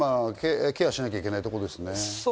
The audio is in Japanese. ケアしなきゃいけないところですね。